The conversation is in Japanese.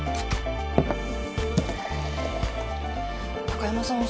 高山さん。